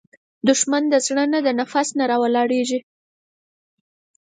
دښمن د زړه نه، د نفس نه راولاړیږي